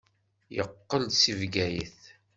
Yeqqel-d seg Bgayet.